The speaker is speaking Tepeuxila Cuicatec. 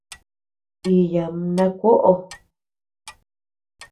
Íyaam na kuoʼo.